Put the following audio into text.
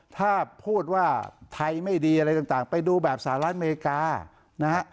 ถ้าพูดว่าไทยไม่ดีอะไรต่างไปดูแบบสหรัฐอเมริกานะฮะ